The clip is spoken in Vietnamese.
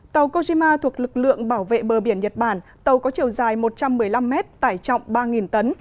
tàu kojima thuộc lực lượng bảo vệ bờ biển nhật bản tàu có chiều dài một trăm một mươi năm mét tải trọng ba tấn